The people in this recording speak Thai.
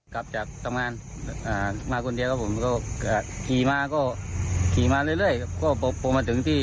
กลับจากตำรงานมาคนเดียวครับผม